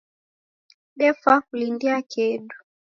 Defaa kulindia kedu